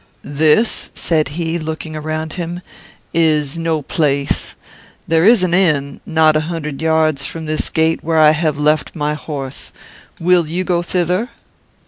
"This," said he, looking around him, "is no place; there is an inn, not a hundred yards from this gate, where I have left my horse; will you go thither?"